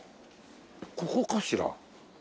ここかしら？